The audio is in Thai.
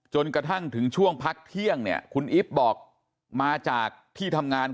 จนกระทั่งถึงช่วงพักเที่ยงเนี่ยคุณอิ๊บบอกมาจากที่ทำงาน